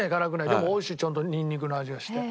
でもおいしいちゃんとニンニクの味がして。